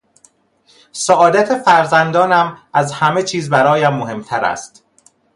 سعادت فرزندانم از همه چیز برایم مهمتر است.